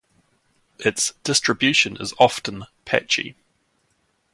Its distribution is often patchy.